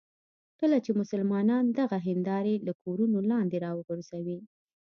کله چې مسلمانان دغه هندارې له کورونو لاندې راوغورځوي.